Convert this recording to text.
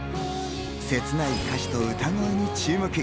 せつない歌詞と歌声に注目。